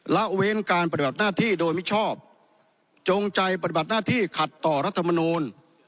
ละเว้นการปฏิบัติหน้าที่โดยมิชอบจงใจปฏิบัติหน้าที่ขัดต่อรัฐมนูล